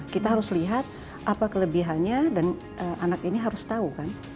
kita harus lihat apa kelebihannya dan anak ini harus tahu kan